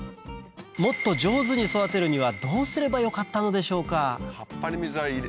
もっと上手に育てるにはどうすればよかったのでしょうか？